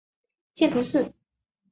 见图四。